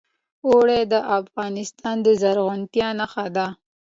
اوړي د افغانستان د زرغونتیا نښه ده.